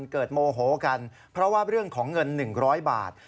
โมโหกันเพราะว่าเรื่องของเงิน๑๐๐บาท